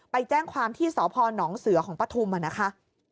ไปแจ้งความที่สพนเสือของปฐุมนะคะ